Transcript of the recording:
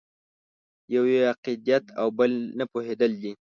یو یې عقیدت او بل نه پوهېدل دي.